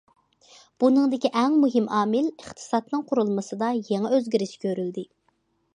بۇنىڭدىكى ئەڭ مۇھىم ئامىل ئىقتىسادنىڭ قۇرۇلمىسىدا يېڭى ئۆزگىرىش كۆرۈلدى.